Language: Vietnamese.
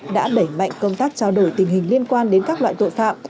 đã đẩy mạnh công tác trao đổi tình hình liên quan đến các loại tội phạm